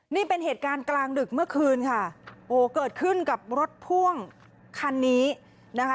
นี่เป็นเหตุการณ์กลางดึกเมื่อคืนค่ะโอ้เกิดขึ้นกับรถพ่วงคันนี้นะคะ